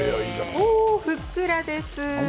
ふっくらです。